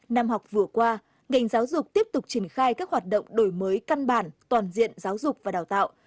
năm học vừa qua ngành giáo dục tiếp tục triển khai các hoạt động đổi mới căn bản toàn diện giáo dục và đào tạo